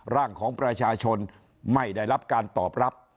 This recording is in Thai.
ร่างของประชาชนไม่ได้รับการตอบรับ